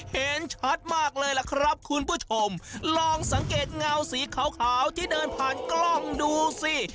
เห็นชัดมากเลยล่ะครับคุณผู้ชมลองสังเกตเงาสีขาวที่เดินผ่านกล้องดูสิ